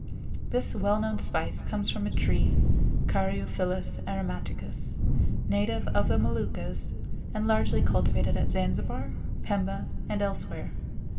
This well known spice comes from a tree, Caryophyllus aromaticus, native of the Moluccas, and largely cultivated at Zanzibar, Pemba, and elsewhere.